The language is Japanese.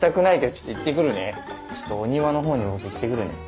ちょっとお庭の方に僕行ってくるね。